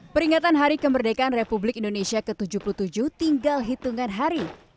peringatan hari kemerdekaan republik indonesia ke tujuh puluh tujuh tinggal hitungan hari